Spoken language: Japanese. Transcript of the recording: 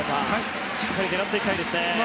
しっかり狙っていきたい。